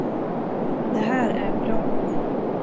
Den här är bra.